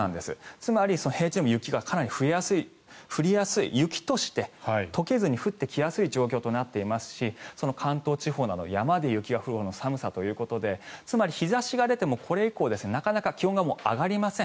つまり平地でも雪として溶けずに降ってきやすい状況となってきますし関東地方などは山で雪が降るほどの寒さということでつまり、日差しが出てもなかなか気温が上がりません。